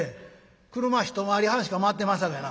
車一回り半しか回ってまんさかいな。